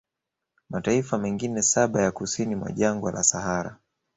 mataifa mengine saba ya kusini mwa jangwa la Sahara